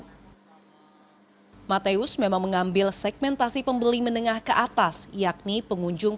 hai mateus memang mengambil segmentasi pembeli menengah ke atas yakni pengunjung